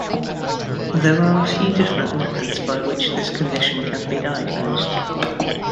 There are a few different methods by which this condition can be diagnosed.